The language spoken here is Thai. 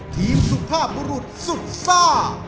ทีมสุภาพบุรุษสุดซ่า